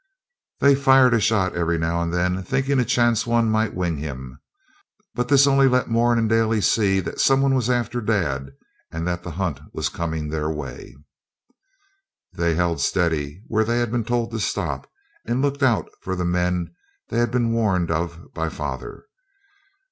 They fired a shot every now and then, thinking a chance one might wing him, but this only let Moran and Daly see that some one was after dad, and that the hunt was coming their way. They held steady where they had been told to stop, and looked out for the men they'd been warned of by father.